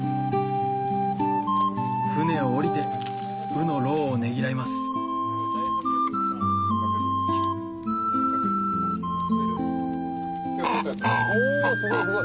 船を降りて鵜の労をねぎらいますおすごいすごい。